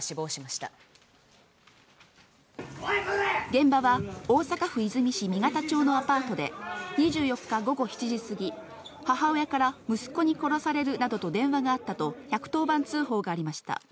現場は大阪府和泉市箕形町のアパートで、２４日午後７時過ぎ、母親から息子に殺されるなどと電話があったと、１１０番通報がありました。